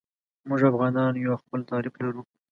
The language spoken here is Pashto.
موږ افغانان یو او خپل تعریف لرو.